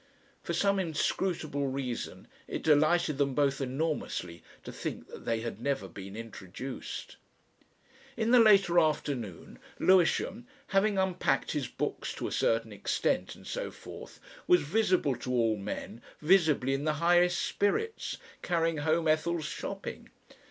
For some inscrutable reason it delighted them both enormously to think that they had never been introduced.... In the later afternoon Lewisham, having unpacked his books to a certain extent, and so forth, was visible to all men, visibly in the highest spirits, carrying home Ethel's shopping.